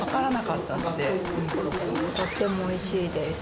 とってもおいしいです。